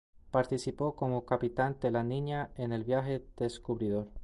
Participó como capitán de La Niña en el viaje descubridor.